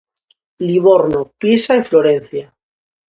Livorno, Pisa e Florencia.